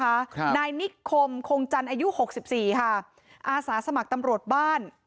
ครับนายนิคมคงจันทร์อายุหกสิบสี่ค่ะอาสาสมัครตำรวจบ้าน